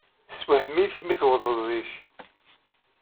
Tessewhem-it mi tewweḍ zik.